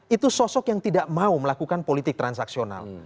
itu sosok yang tidak mau melakukan politik transaksional